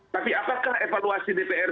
tapi apakah evaluasi dpr